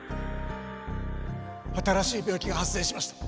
新しい病気が発生しました。